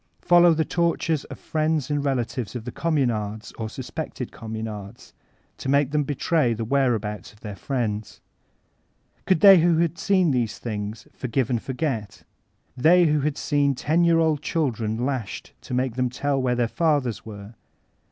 Follow the tor tures of friends and relatives of Communards or sus pected Communards, to make them betray the where abouts of their friends. Could they who had seen these thmgs ''forgive and forget"? They who had seen ten year old children lasbed to make them tell where their fathers were?